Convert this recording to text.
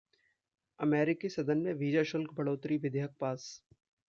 अमेरिकी सदन में वीजा शुल्क बढ़ोतरी विधेयक पास